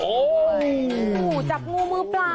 ฮู้จับงูมือเปล่า